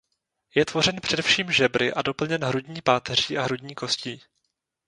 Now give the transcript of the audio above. Je tvořen především žebry a doplněn hrudní páteří a hrudní kostí.